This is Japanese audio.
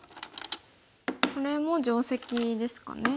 これも定石ですかね。